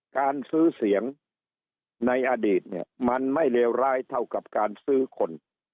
การซื้อเสียงในอดีตเนี่ยมันไม่เลวร้ายเท่ากับการซื้อคน